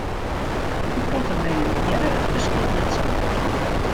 In protte bern hearre it ferskil net sa goed.